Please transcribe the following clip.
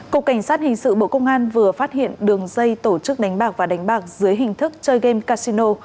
cục cảnh sát hình sự bộ công an vừa phát hiện đường dây tổ chức đánh bạc và đánh bạc dưới hình thức chơi game casino